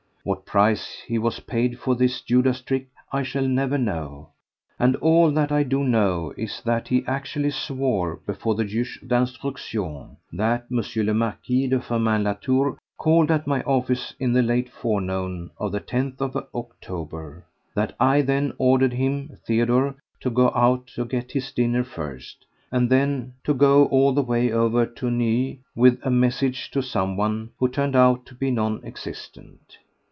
What price he was paid for this Judas trick I shall never know, and all that I do know is that he actually swore before the juge d'instruction that M. le Marquis de Firmin Latour called at my office in the late forenoon of the tenth of October; that I then ordered him—Theodore—to go out to get his dinner first, and then to go all the way over to Neuilly with a message to someone who turned out to be non existent.